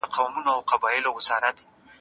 مرتبط عقاید د انسان د روح د حقیقت سره یوبل کړو.